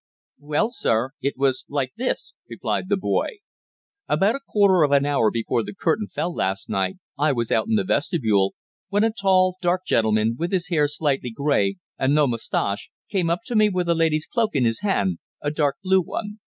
"Well, sir, it was like this," replied the boy. "About a quarter of an hour before the curtain fell last night I was out in the vestibule, when a tall dark gentleman, with his hair slightly grey and no moustache, came up to me with a lady's cloak in his hand a dark blue one.